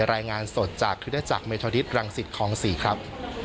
รายงานสดจากคุณธรรมดิสรังสิทธิ์ของศรีครับ